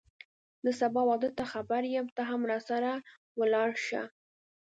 زه سبا واده ته خبر یم ته هم راسره ولاړ شه